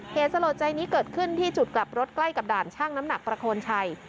เหตุสลดใจนี้เกิดขึ้นที่จุดกลับรถใกล้กับด่านช่างน้ำหนักประโคนชัย